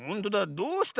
どうした？